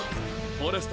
フォレスタ